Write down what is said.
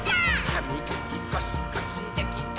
「はみがきゴシゴシできたかな？」